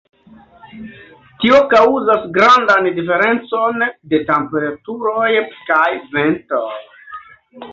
Tio kaŭzas grandan diferencon de temperaturoj kaj ventoj.